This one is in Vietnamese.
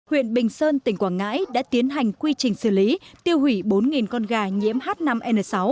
huyện bình sơn tỉnh quảng ngãi đã tiến hành quy trình xử lý tiêu hủy bốn con gà nhiễm h năm n sáu